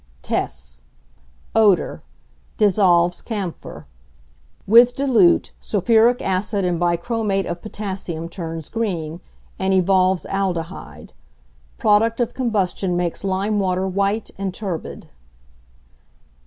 Tests. Odour. Dissolves camphor. With dilute sulphuric acid and bichromate of potassium turns green, and evolves aldehyde. Product of combustion makes lime water white and turbid.